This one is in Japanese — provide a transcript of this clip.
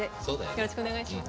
よろしくお願いします。